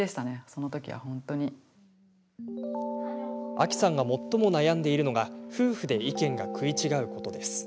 アキさんが最も悩んでいるのが夫婦で意見が食い違うことです。